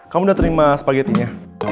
kamu udah terima spagettinya